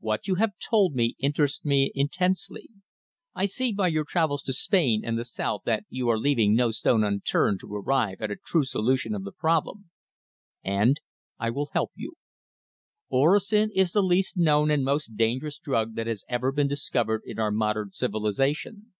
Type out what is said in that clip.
"What you have told me interests me intensely. I see by your travels to Spain and the South that you are leaving no stone unturned to arrive at a true solution of the problem and I will help you. Orosin is the least known and most dangerous drug that has ever been discovered in our modern civilization.